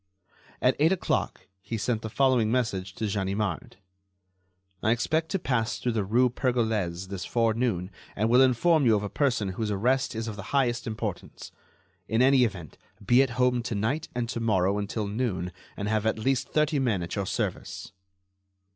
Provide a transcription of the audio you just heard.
At eight o'clock he sent the following message to Ganimard: "I expect to pass through the rue Pergolese this forenoon and will inform you of a person whose arrest is of the highest importance. In any event, be at home to night and to morrow until noon and have at least thirty men at your service."